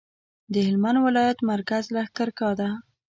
د هلمند ولایت مرکز لښکرګاه ده